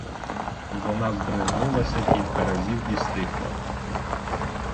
Вона здригнулася кілька разів і стихла.